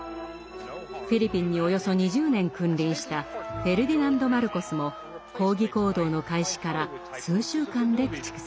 フィリピンにおよそ２０年君臨したフェルディナンド・マルコスも抗議行動の開始から数週間で駆逐されています。